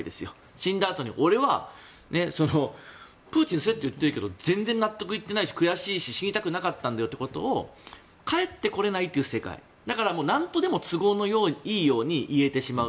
死んだあとに俺はプーチンのせいだって言ってるけど全然、納得いってないし悔しいし納得してないんだよって言っても帰ってこれないという世界だからなんとでも都合のいいように言えてしまう。